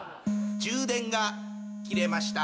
充電が切れました。